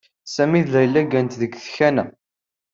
Sami d Layla gganen deg tkanna.